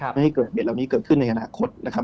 ไม่ให้เกิดเวลานี้เกิดขึ้นในขณะคดนะครับ